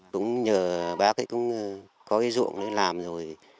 cũng nhờ bác ấy cũng có cái ruộng để làm rồi